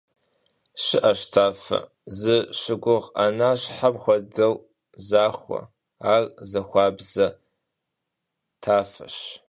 Şı'eş tafe, zi şıgur 'enaşhem xuedeu zaxue; ar zaxuabze tafeş.